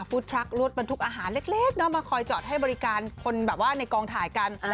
ฟู้ดทรัครวดบรรทุกอาหารเล็กมาคอยจอดให้บริการคนในกองถ่ายกัน